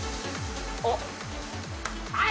あっ！